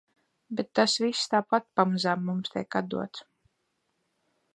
Bet tas viss tāpat pamazām mums tiek atdots.